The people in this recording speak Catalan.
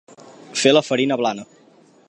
Fer la farina blana.